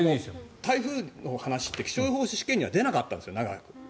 台風の話って気象予報士試験では出なかったんですよ。